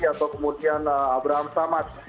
atau kemudian abraham samad